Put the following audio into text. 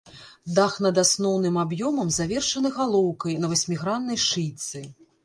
Дах над асноўным аб'ёмам завершаны галоўкай на васьміграннай шыйцы.